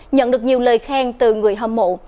nhận được nhiều lời khen từ người hâm mộ